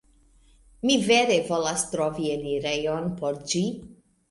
Mi vere volas trovi enirejon por ĝi